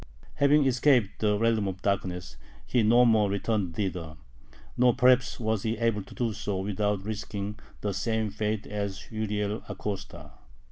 Having escaped the realm of darkness, he no more returned thither. Nor perhaps was he able to do so without risking the same fate as Uriel Acosta.